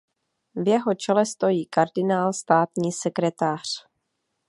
V jeho čele stojí Kardinál státní sekretář.